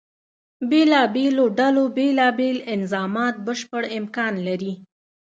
بېلابېلو ډلو بیلا بیل انظامات بشپړ امکان لري.